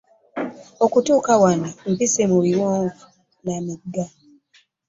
Okutuuka wano mpise mu miwonvu na migga.